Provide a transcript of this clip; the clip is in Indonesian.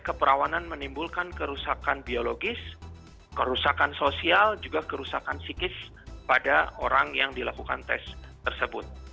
keperawanan menimbulkan kerusakan biologis kerusakan sosial juga kerusakan psikis pada orang yang dilakukan tes tersebut